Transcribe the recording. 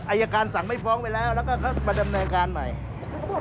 อายการสั่งไม่ฟ้องไปแล้วแล้วก็เขามาดำเนินการใหม่